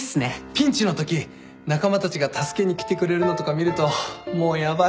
ピンチのとき仲間たちが助けに来てくれるのとか見るともうヤバい。